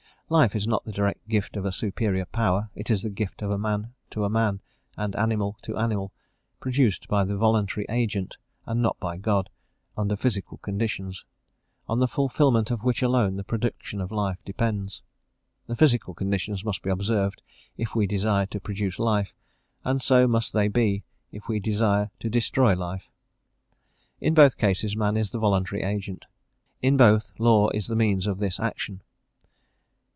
Life is not the direct gift of a superior power: it is the gift of man to man and animal to animal, produced by the voluntary agent, and not by God, under physical conditions, on the fulfilment of which alone the production of life depends. The physical conditions must be observed if we desire to produce life, and so must they be if we desire to destroy life. In both cases man is the voluntary agent, in both law is the means of his action.